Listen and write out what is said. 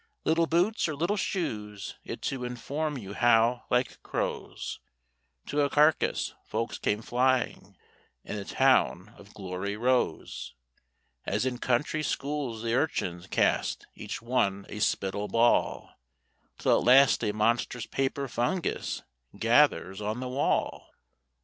Little boots or little shoes it to inform you how, like crows To a carcase, folks came flying, and the town of Glory rose; As in country schools the urchins cast each one a spittle ball, Till at last a monstrous paper fungus gathers on the wall.